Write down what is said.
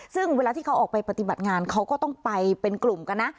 ซึ่งเวลาที่เขาออกไปปฏิบัติงานเขาก็ต้องไปเป็นกลุ่มกันนะ